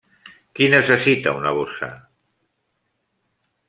Qui necessita una bossa?